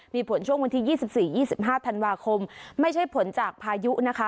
มีผลช่วงวันที่๒๔๒๕ธันวาคมไม่ใช่ผลจากพายุนะคะ